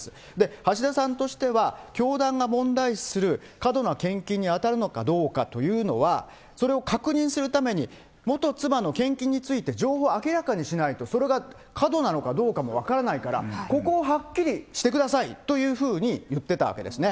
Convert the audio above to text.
橋田さんとしては、教団が問題視する過度な献金に当たるのかどうかというのは、それを確認するために、元妻の献金について情報を明らかにしないと、それが過度なのかどうかも分からないから、ここをはっきりしてくださいというふうにいってたわけですね。